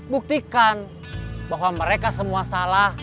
buktikan bahwa mereka semua salah